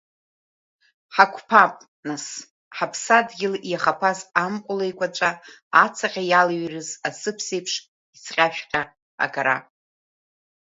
Ҳақәԥап, нас, Ҳаԥсадгьыл иахаԥаз амҟәыл еиқәаҵәа ацаҟьа иалҩрыз асыԥсеиԥш ицҟьашәҟьа агара!